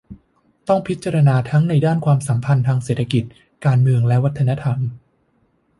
ต้องพิจารณาทั้งในด้านความสัมพันธ์ทางเศรษฐกิจ การเมืองและวัฒนธรรม